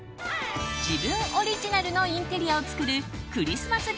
自分オリジナルのインテリアを作るクリスマス